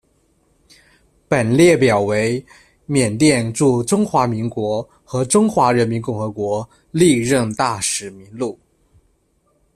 本列表为缅甸驻中华民国和中华人民共和国历任大使名录。